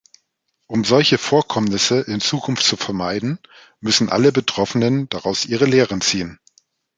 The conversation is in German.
Um solche Vorkommnisse in Zukunft zu vermeiden, müssen allen Betroffenen daraus ihre Lehren ziehen.